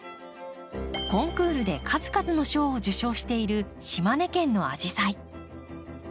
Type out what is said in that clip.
コンクールで数々の賞を受賞している島根県のアジサイ。